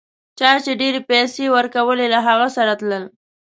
چا چي ډېرې پیسې ورکولې له هغه سره تلل.